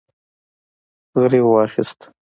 غريو واخيست.